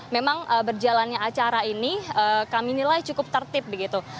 memang berjalannya acara ini kami nilai cukup tertib begitu